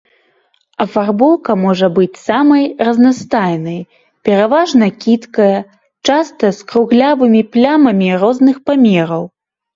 Афарбоўка можа быць самай разнастайнай, пераважна кідкая, часта з круглявымі плямамі розных памераў.